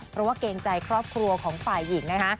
เพราะว่าเกรงใจครอบครัวของฝ่ายหญิงนะคะ